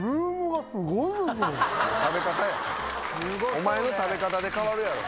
お前の食べ方で変わるやろ。